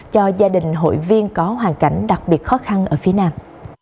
cho gia đình hội viên có hoàn cảnh đặc biệt khó khăn ở phía nam